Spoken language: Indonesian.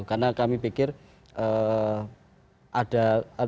karena kami pikir ada